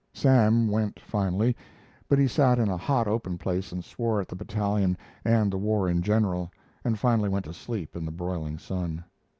Sam went finally, but he sat in a hot open place and swore at the battalion and the war in general, and finally went to sleep in the broiling sun.